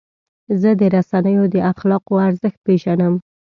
زه د رسنیو د اخلاقو ارزښت پیژنم.